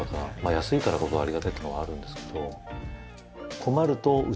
安いからこそありがたいっていうのはあるんですけど。